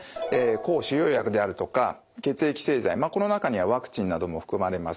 抗腫瘍薬であるとか血液製剤この中にはワクチンなども含まれます。